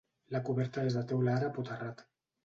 La coberta és de teula àrab o terrat.